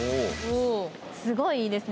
すごいいいですね。